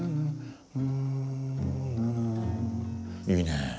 「いいねぇ」